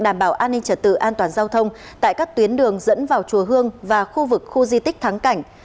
đảm bảo an ninh trật tự an toàn giao thông tại các tuyến đường dẫn vào chùa hương và khu vực khu di tích thắng cảnh